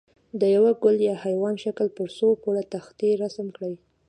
د یوه ګل یا حیوان شکل پر څو پوړه تختې رسم کړئ.